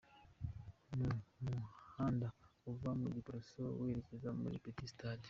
Mu muhanda uva mu Giporoso werekeza kuri Petit Stade